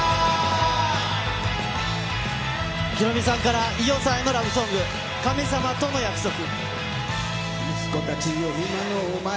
ヒロミさんから伊代さんへのラブソング、神様との約束。